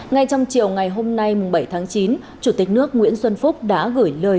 ngay trong chiều ngày hôm nay bảy tháng chín chủ tịch nước nguyễn xuân phúc đã gửi lời